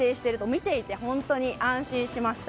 見ていて安心しました。